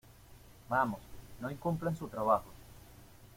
Vamos. No incumplan en su trabajo .